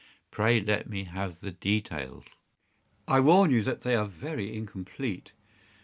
Pray let me have the details.” “I warn you that they are very incomplete.